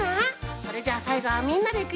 それじゃさいごはみんなでいくよ！